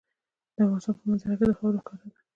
د افغانستان په منظره کې خاوره ښکاره ده.